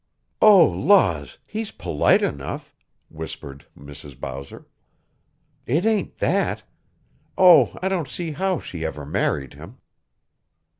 "Oh, laws, he's polite enough," whispered Mrs. Bowser. "It ain't that oh, I don't see how she ever married him."